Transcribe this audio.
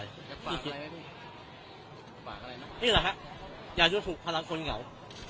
นี่หรอครับอย่ารู้ถูกพลังคนเหงา